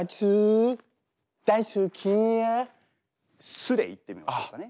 「す」で言ってみましょうかね。